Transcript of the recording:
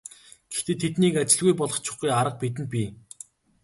Гэхдээ тэднийг ажилгүй болгочихгүй арга бидэнд бий.